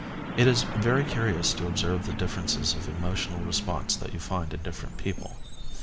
It is very curious to observe the differences of emotional response that you find in different people.